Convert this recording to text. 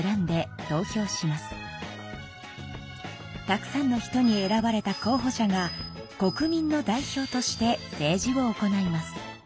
たくさんの人に選ばれた候ほ者が国民の代表として政治を行います。